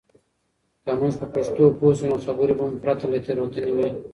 که موږ په پښتو پوه شو، نو خبرې به مو پرته له تېروتنې وي.